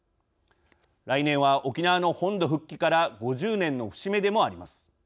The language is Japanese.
来年は沖縄の本土復帰から５０年の節目でもあります。